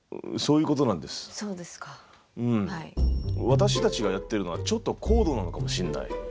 私たちがやってるのはちょっと高度なのかもしんない。